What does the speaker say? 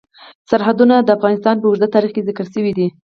سرحدونه د افغانستان په اوږده تاریخ کې ذکر شوی دی.